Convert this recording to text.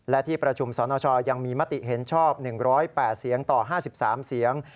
และที่ประชุมสนชยังมีมติเห็นชอบ๑๐๘เสียงต่อ๕๓เสียง